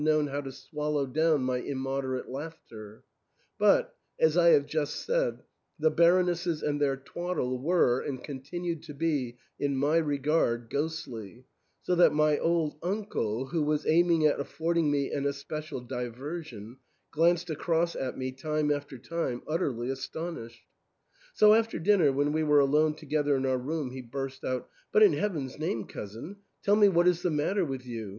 231 known how to swallow down my immoderate laughter ; but, as I have just said, the Baronesses and their twad dle were, and continued to be, in my regard, ghostly, so that my old uncle, who was aiming at affording me an especial diversion, glanced across at me time after time utterly astonished. So after dinner, when we were alone together in our room, he burst out, " But in Heaven's name, cousin, tell me what is the matter with you